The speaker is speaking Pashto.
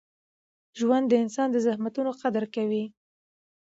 ژوند د انسان د زحمتونو قدر کوي.